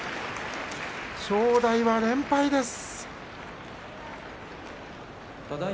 正代は連敗です。